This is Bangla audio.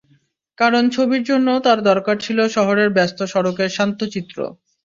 কারণ ছবির জন্য তাঁর দরকার ছিল শহরের ব্যস্ত সড়কের শান্ত চিত্র।